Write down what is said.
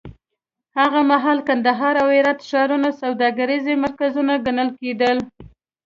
هغه مهال کندهار او هرات ښارونه سوداګریز مرکزونه ګڼل کېدل.